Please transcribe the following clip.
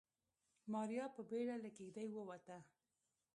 ماريا په بيړه له کېږدۍ ووته.